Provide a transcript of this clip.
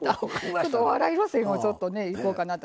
ちょっとお笑い路線もいこうかなと。